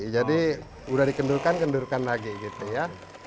jadi sudah dikendurkan kendurkan lagi gitu ya